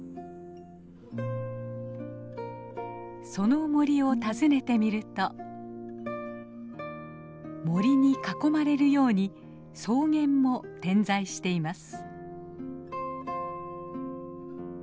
その森を訪ねてみると森に囲まれるように草原も点在しています。